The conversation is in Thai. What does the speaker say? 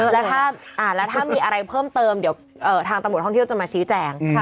แล้วถ้ามีอะไรเพิ่มเติมเดี๋ยวทางตำรวจท่องเที่ยวจะมาชี้แจง